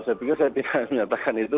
saya pikir saya tidak menyatakan itu